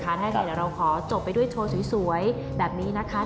ถ้าเราขอจบไปด้วยโชว์สวยแบบนี้นะคะ